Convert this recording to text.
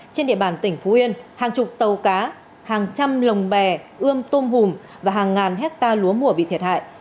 trên địa bàn tỉnh phú yên hàng chục tàu cá hàng trăm lồng bè ươm tôm hùm và hàng ngàn hecta lúa mùa bị thiệt hại